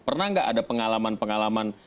pernah nggak ada pengalaman pengalaman